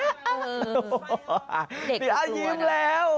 โอ้โฮเดี๋ยวยิ้มแล้ว